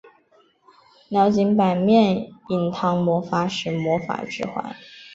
鸟井坂面影堂魔法使魔法指环